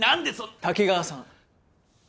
滝川さん。